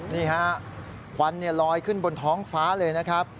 นี่ฮะควันลอยขึ้นบนท้องฟ้าเลยนะครับ